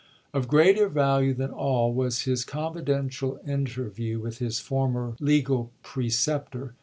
Of greater value than all was his confidential interview with his former legal preceptor.